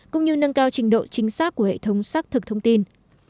cũng như nâng cao trình độ chính xác của hệ thống xác thực thông tin